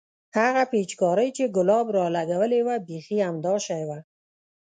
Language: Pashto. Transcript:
هغه پيچکارۍ چې ګلاب رالګولې وه بيخي همدا شى وه.